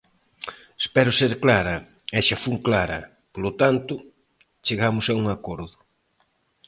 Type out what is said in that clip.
Espero ser clara, e xa fun clara; polo tanto, chegamos a un acordo.